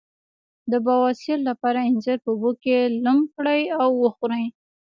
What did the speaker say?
د بواسیر لپاره انځر په اوبو کې لمد کړئ او وخورئ